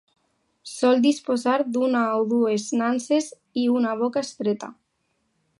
Sol disposar d'una o dues nanses i una boca estreta.